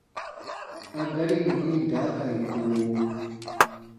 A gari yini daakari koowo :